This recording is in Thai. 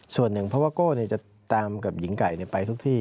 ส่วนหนึ่งเพราะว่าโก้จะตามกับหญิงไก่ไปทุกที่